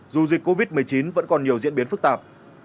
dù dịch covid một mươi chín vẫn còn nhiều diễn biến phức tạp